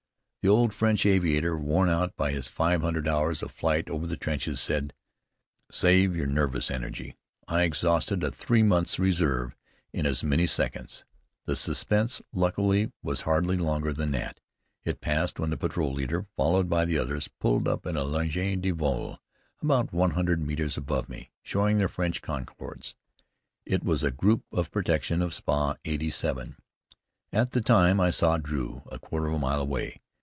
The old French aviator, worn out by his five hundred hours of flight over the trenches, said, "Save your nervous energy." I exhausted a three months reserve in as many seconds. The suspense, luckily, was hardly longer than that. It passed when the patrol leader, followed by the others, pulled up in ligne de vol, about one hundred metres above me, showing their French cocardes. It was the group of protection of Spa. 87. At the time I saw Drew, a quarter of a mile away.